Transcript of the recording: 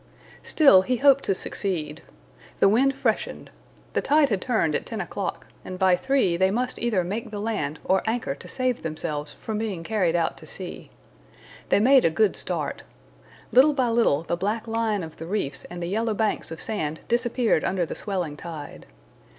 Still he hoped to succeed. The wind freshened. The tide had turned at ten o'clock, and by three they must either make the land or anchor to save themselves from being carried out to sea. They made a good start. Little by little the black line of the reefs and the yellow banks of sand disappeared under the swelling tide.